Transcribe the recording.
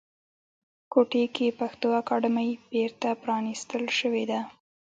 کوټې کې پښتو اکاډمۍ بیرته پرانیستل شوې ده